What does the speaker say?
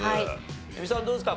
映美さんどうですか？